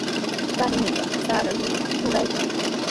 Paniiqa sara luqrutami ruraykan.